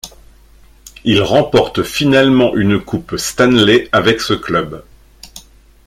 Il remporte finalement une Coupe Stanley avec ce club.